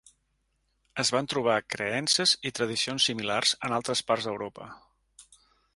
Es van trobar creences i tradicions similars en altres parts d'Europa.